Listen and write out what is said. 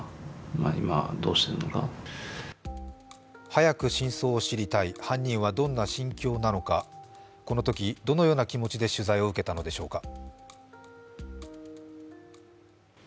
早く真相を知りたい、犯人はどんな心境なのか、このとき、どのような気持ちで取材を受けたのでしょうか。